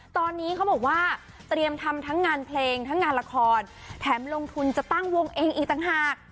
ตอนนี้เขาบอกว่าเตรียมทำทั้งงานเพลงทั้งงานละครแถมลงทุนจะตั้งวงเองอีกต่างหาก